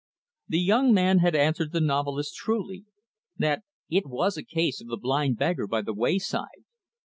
The young man had answered the novelist truly, that it was a case of the blind beggar by the wayside.